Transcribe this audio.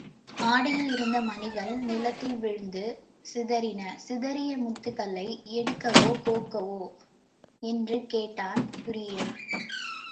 ஆடையில் இருந்த மணிகள் நிலத்தில்விழுந்து சிதறின சிதறிய முத்துக்களை எடுக்கவோ கோக்கவோ என்று கேட்டான் துரியன்.